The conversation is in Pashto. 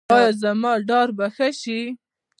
ایا زما ډار به ښه شي؟